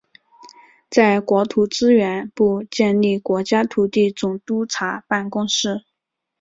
在国土资源部设立国家土地总督察办公室。